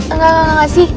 enggak enggak enggak sih